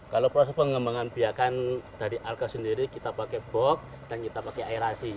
kalau proses pengembang biaya alga sendiri kita pakai bog dan kita pakai aerasi